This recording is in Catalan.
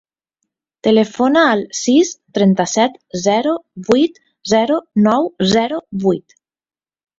Telefona al sis, trenta-set, zero, vuit, zero, nou, zero, vuit.